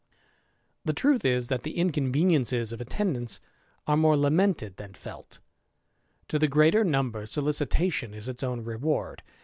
The truth is, that the inconveniences of attendance sue more lamented than felt To the greater number solicitatioo is its own reward.